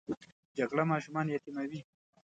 جګړه ماشومان یتیموي